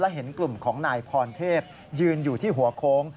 เห็นกลุ่มของนายพรเทพยืนอยู่ที่หัวโค้ง